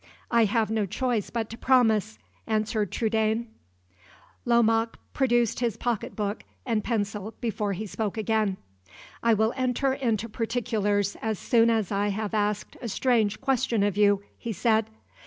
"I have no choice but to promise," answered Trudaine. Lomaque produced his pocket book and pencil before he spoke again. "I will enter into particulars as soon as I have asked a strange question of you," he said.